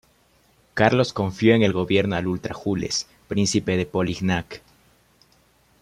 Carlos confió el gobierno al ultra Jules, príncipe de Polignac.